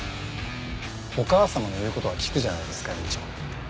お母様の言う事は聞くじゃないですか院長。